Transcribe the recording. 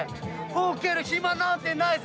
呆ける暇なんてないぜ！